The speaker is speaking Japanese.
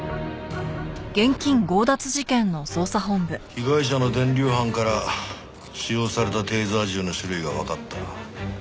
被害者の電流斑から使用されたテーザー銃の種類がわかった。